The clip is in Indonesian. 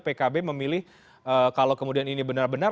pkb memilih kalau kemudian ini benar benar